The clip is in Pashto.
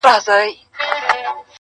خبردار چي نوم د قتل څوك ياد نه كړي -